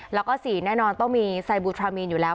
แล้วก็๔แน่นอนต้องมีไซบูทรามีนอยู่แล้ว